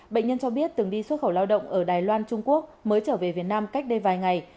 bệnh nhân cho biết từng đi xuất khẩu lao động ở đài loan trung quốc mới trở về việt nam cách đây vài ngày